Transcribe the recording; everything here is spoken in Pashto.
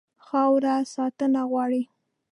خاوره ساتنه غواړي.